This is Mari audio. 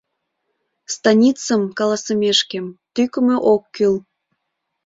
— Станицым, каласымешкем, тӱкымӧ ок кӱл!